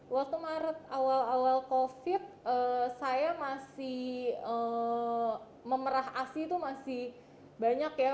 waktu maret awal awal covid saya masih memerah asi itu masih banyak ya